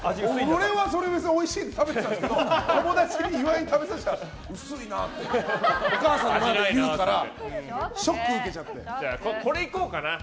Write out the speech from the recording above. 俺は、それ別においしいって食べてたけど岩井に食べさせたら薄いなってお母さんの前で言うからショック受けちゃって。